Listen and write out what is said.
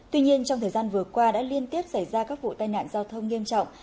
tuy nhiên trong thời gian vừa qua đã liên tiếp xảy ra các vụ tai nạn giao thông nghiêm trọng